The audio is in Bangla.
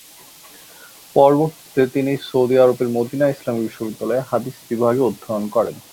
পরবর্তীতে তিনি সৌদি আরবের মদীনা ইসলামী বিশ্ববিদ্যালয়ে হাদিস বিভাগে অধ্যয়ন করেন।